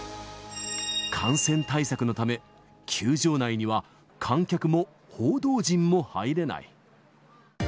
感染対策のため、球場内には観客も報道陣も入れない。